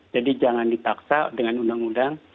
jadi jangan dipaksa dengan undang undang